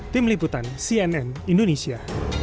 tim liputan cnn indonesia